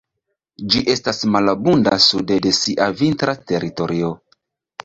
Ĝi estas malabunda sude de sia vintra teritorio.